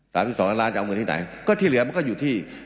สามสิบสองล้านจะเอาเงินที่ไหนก็ที่เหลือมันก็อยู่ที่